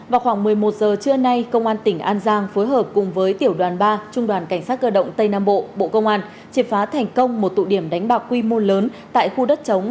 vào khoảng một mươi một giờ trưa nay công an tỉnh an giang phối hợp cùng với tiểu đoàn ba trung đoàn cảnh sát cơ động tây nam bộ bộ công an triệt phá thành công một tụ điểm đánh bạc quy mô lớn tại khu đất chống